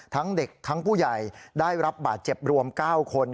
ทั้งเด็กทั้งผู้ใหญ่ได้รับบาดเจ็บรวม๙คน